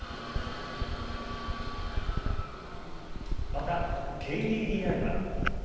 またＫＤＤＩは。